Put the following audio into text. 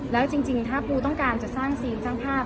แล้วจริงถ้าปูต้องการจะสร้างซีนสร้างภาพ